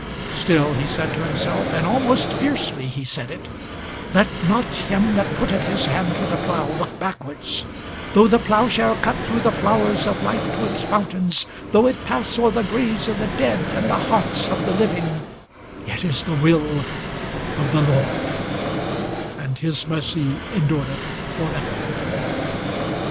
Still he said to himself, and almost fiercely he said it, "Let not him that putteth his hand to the plough look backwards; Though the ploughshare cut through the flowers of life to its fountains, Though it pass o'er the graves of the dead and the hearths of the living, It is the will of the Lord; and his mercy endureth for ever!"